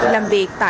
làm việc tại trường